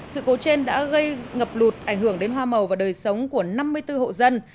sự cố trên đã gây ngập lụt ảnh hưởng đến hoa màu và đời sống của năm mươi bốn hộ dân